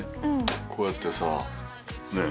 こうやってさねえ